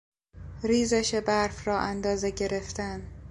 ریزش برف را اندازه گرفتن